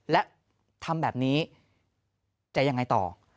และทำแบบนี้จะยังไงต่อ